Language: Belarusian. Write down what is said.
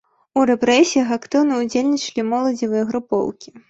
У рэпрэсіях актыўна ўдзельнічалі моладзевыя групоўкі.